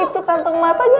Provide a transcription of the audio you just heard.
ya kan itu kantong matanya